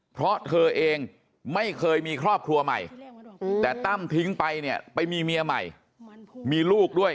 เพราะเธอเองไม่เคยมีครอบครัวใหม่แต่ตั้มทิ้งไปเนี่ยไปมีเมียใหม่มีลูกด้วย